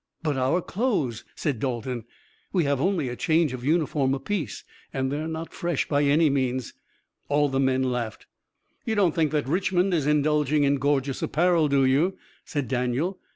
"But our clothes!" said Dalton. "We have only a change of uniform apiece, and they're not fresh by any means." All the men laughed. "You don't think that Richmond is indulging in gorgeous apparel do you?" said Daniel.